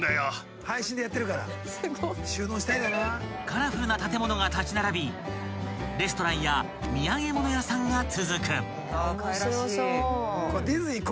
［カラフルな建物が立ち並びレストランや土産物屋さんが続く］